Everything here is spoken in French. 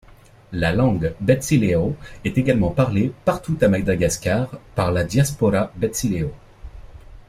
La langue betsileo est également parlée partout à Madagascar par la diaspora betsileo.